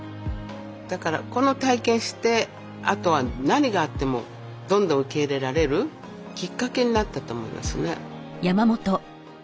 だからこの体験してあとは何があってもどんどん受け入れられるきっかけになったと思いますね。